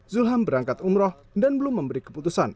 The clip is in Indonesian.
zulham berangkat umroh dan belum memberi keputusan